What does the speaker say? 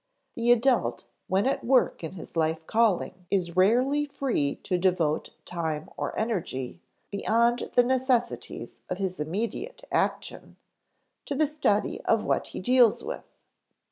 The adult when at work in his life calling is rarely free to devote time or energy beyond the necessities of his immediate action to the study of what he deals with.